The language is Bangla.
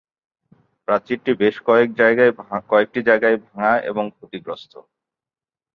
প্রাচীরটি বেশ কয়েকটি জায়গায় ভাঙা এবং ক্ষতিগ্রস্ত।